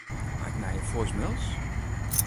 Ha ik nije voicemails?